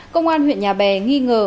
công an huyện nhà bè nghi ngờ